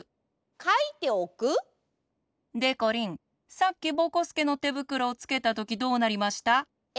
さっきぼこすけのてぶくろをつけたときどうなりました？え？